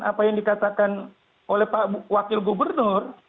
apa yang dikatakan oleh pak wakil gubernur